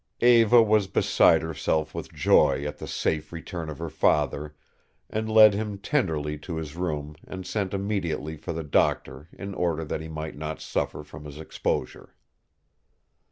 Eva was beside herself with joy at the safe return of her father, and led him tenderly to his room and sent immediately for the doctor in order that he might not suffer from his exposure.